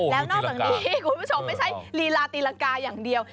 แล้วนอกจากนี้คุณผู้ชมไม่ใช่ลีลาตีละกาอย่างเดียว